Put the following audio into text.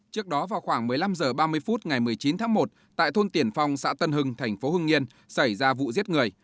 trước đó vào khoảng một mươi năm h ba mươi phút ngày một mươi chín tháng một tại thôn tiển phong xã tân hưng thành phố hưng yên xảy ra vụ giết người